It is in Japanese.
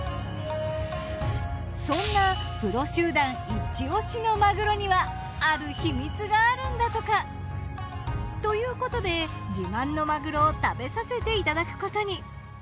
そんなプロ集団イチオシのマグロにはある秘密があるんだとか。ということで自慢のマグロを食べさせていただくことに。